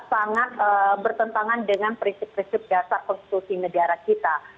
sangat bertentangan dengan prinsip prinsip dasar konstitusi negara kita